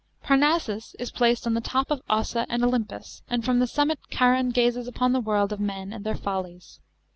Parnassus is placed on the top of Ossa and Olympus, and from the summit Charon gazes upon the world of men and their follies.